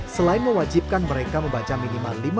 selain mewajibkan mereka membaca minimal